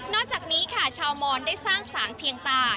นอกจากนี้ค่ะชาวมอนทุกบ้านได้สร้างสางเพียงตา